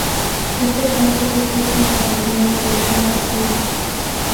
Este plato se sirve en la mañana del día Eid.